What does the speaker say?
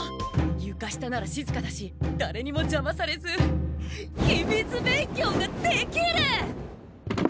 ゆか下ならしずかだしだれにもじゃまされず秘密勉強ができる！